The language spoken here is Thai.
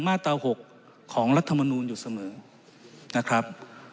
มาตรา๖ของรัฐมนูลอยู่เสมอนะครับ